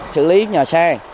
xử lý nhỏ xe